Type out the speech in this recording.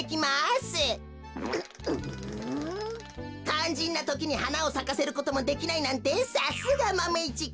かんじんなときにはなをさかせることもできないなんてさすがマメ１くん。